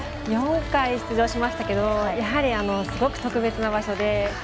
４回出場しましたけどやはりすごく特別な場所で。